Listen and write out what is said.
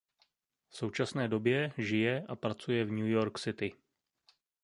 V současné době žije a pracuje v New York City.